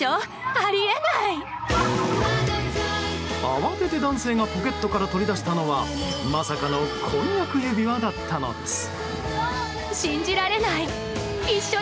慌てて男性がポケットから取り出したのはまさかの婚約指輪だったのです。